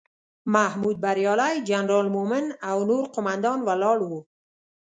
محمود بریالی، جنرال مومن او نور قوماندان ولاړ وو.